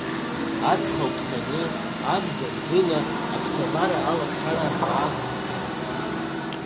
Аҵхагәҭаны, амза ангыла, аԥсабара алашара аақәԥхеит.